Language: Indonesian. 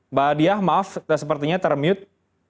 mbak diah maaf sepertinya termute